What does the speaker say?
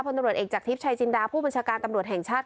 ตำรวจเอกจากทริปชายจินดาผู้บัญชาการตำรวจแห่งชาติ